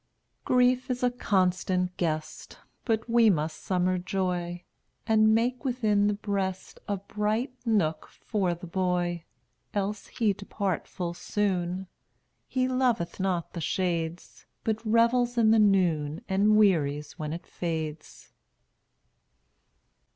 215 Grief is a constant guest, But we must summer Joy And make within the breast A bright nook for the boy, Else he depart full soon; He loveth not the shades, But revels in the noon And wearies when it fades.